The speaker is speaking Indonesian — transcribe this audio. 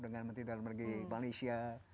dengan menteri dalam negeri malaysia